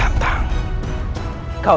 kau jangan senang terlebih dahulu